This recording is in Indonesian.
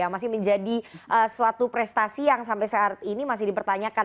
masih menjadi suatu prestasi yang sampai saat ini masih dipertanyakan